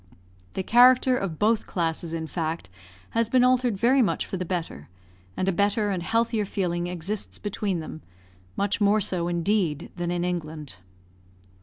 The character of both classes, in fact, has been altered very much for the better, and a better and healthier feeling exists between them much more so, indeed, than in England.